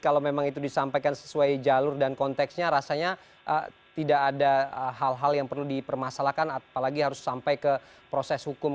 kalau memang itu disampaikan sesuai jalur dan konteksnya rasanya tidak ada hal hal yang perlu dipermasalahkan apalagi harus sampai ke proses hukum